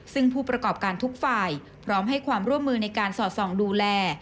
ซึ่งผู้ประกอบการทุกฝ่ายพร้อมให้ความร่วมมือในการสอดส่องดูแล